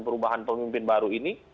perubahan pemimpin baru ini